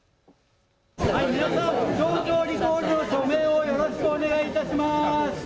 皆さん、町長リコールの署名をよろしくお願いいたします。